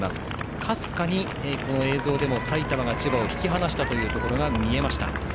かすかに映像でも埼玉が千葉を引き離したところが見えました。